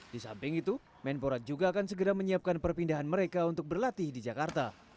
di samping itu menpora juga akan segera menyiapkan perpindahan mereka untuk berlatih di jakarta